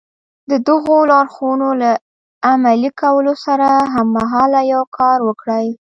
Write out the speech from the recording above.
د دغو لارښوونو له عملي کولو سره هممهاله يو کار وکړئ.